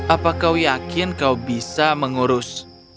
apa kau yakin kau bisa mengurus